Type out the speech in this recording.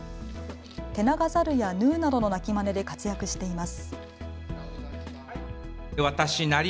テナガザルやヌーなどの鳴きまねで活躍しています。